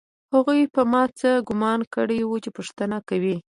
هغوی په ما څه ګومان کړی و چې پوښتنه کوي